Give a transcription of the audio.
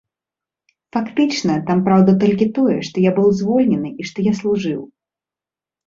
Фактычна там праўда толькі тое, што я быў звольнены і што я служыў.